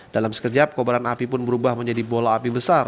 dalam sekejap kobaran api pun berubah menjadi bola api besar